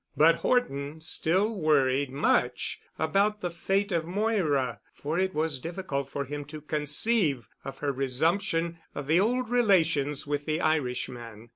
But Horton still worried much about the fate of Moira, for it was difficult for him to conceive of her resumption of the old relations with the Irishman.